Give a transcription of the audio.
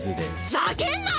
ざけんな！